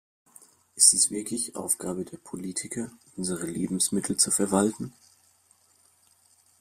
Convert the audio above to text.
Ist es wirklich Aufgabe der Politiker, unsere Lebensmittel zu verwalten?